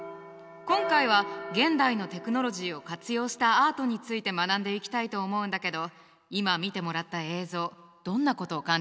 今回は現代のテクノロジーを活用したアートについて学んでいきたいと思うんだけど今見てもらった映像どんなことを感じたかな？